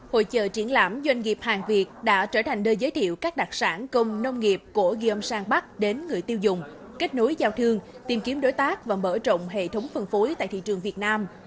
hội trợ triển lãm doanh nghiệp hàn việt đã trở thành đời giới thiệu các đặc sản công nông nghiệp của jeonsan park đến người tiêu dùng kết nối giao thương tìm kiếm đối tác và mở rộng hệ thống phân phối tại thị trường việt nam